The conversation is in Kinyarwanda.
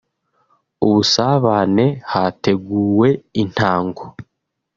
ubusabane hateguwe intango